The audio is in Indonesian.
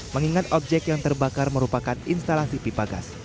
mengingat objek yang terbakar merupakan instalasi pipa gas